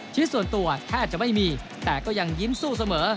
ชีวิตส่วนตัวแทบจะไม่มีแต่ก็ยังยิ้มสู้เสมอ